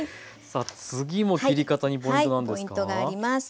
次も切り方にポイントなんですか？